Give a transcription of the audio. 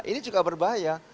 ini juga berbahaya